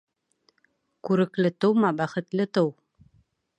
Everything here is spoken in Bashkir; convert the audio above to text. Күрекле тыума, бәхетле тыу.